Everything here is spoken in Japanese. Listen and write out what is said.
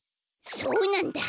そうなんだ！